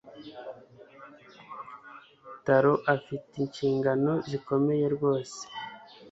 Taro afite inshingano zikomeye rwose